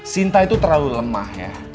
sinta itu terlalu lemah ya